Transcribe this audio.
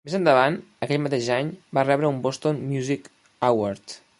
Més endavant, aquell mateix any va rebre un Boston Music Award.